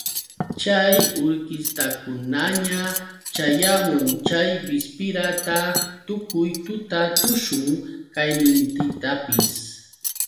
Chay urkistakunaña ćhayamun chay bispira ta tukuy tuta tushun qaynintintapis.